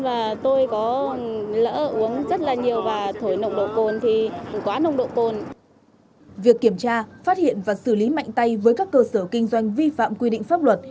việc kiểm tra phát hiện và xử lý mạnh tay với các cơ sở kinh doanh vi phạm quy định pháp luật